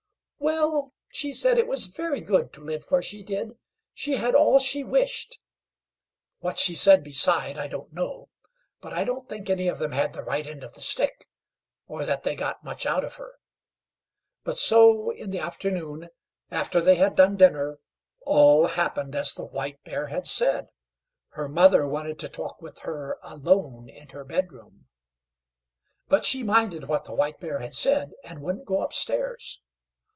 Well, she said, it was very good to live where she did; she had all she wished. What she said beside I don't know, but I don't think any of them had the right end of the stick, or that they got much out of her. But so, in the afternoon, after they had done dinner, all happened as the White Bear had said. Her mother wanted to talk with her alone in her bedroom; but she minded what the White Bear had said, and wouldn't go upstairs.